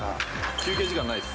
休憩時間はないっす。